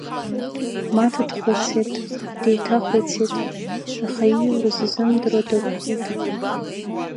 Маҭа дхәыцит, деиҭахәыцит, аха ииурыз изымдыруа дықәхеит.